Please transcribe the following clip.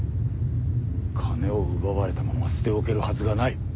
金を奪われたまま捨て置けるはずがない。